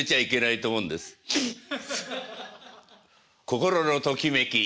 心のときめき。